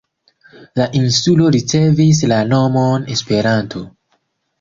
La insulo ricevis la nomon "Esperanto".